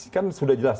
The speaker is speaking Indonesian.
kan sudah jelas